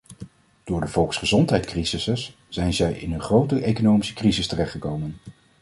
Door de volksgezondheidscrises zijn zij in een grote economische crisis terechtgekomen.